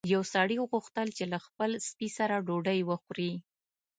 یو سړي غوښتل چې له خپل سپي سره ډوډۍ وخوري.